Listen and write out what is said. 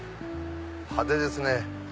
派手ですね。